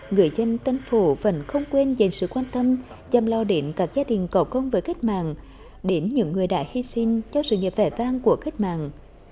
người dân tân phổ vẫn không quên dành sự quan tâm chăm lo đến các gia đình có công với cách mạng đến những người đã hy sinh cho sự nghiệp vẻ vang của cách mạng